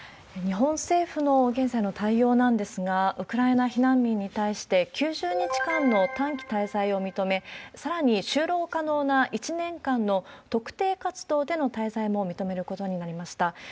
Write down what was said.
日本政府の現在の対応なんですが、ウクライナ避難民に対して９０日間の短期滞在を認め、さらに就労可能な１年間の特定活動での滞在も認めることになりました。